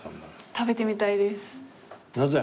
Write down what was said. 食べてみたいです。